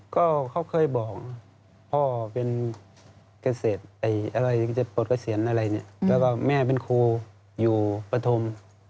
ก็เขาเคยบอกพ่อเป็นเกษตรอะไรจะปลดเกษียณอะไรเนี่ยแล้วก็แม่เป็นครูอยู่ปฐม